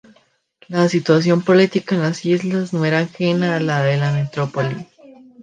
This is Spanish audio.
La situación política en las islas no era ajena a la de la metrópoli.